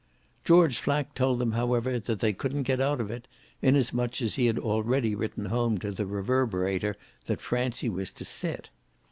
George Flack told them however that they couldn't get out of it, inasmuch as he had already written home to the Reverberator that Francie was to sit.